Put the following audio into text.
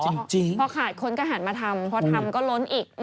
จริงจริงพอหาคนกับหันมาทำพอทำก็ล้นอีก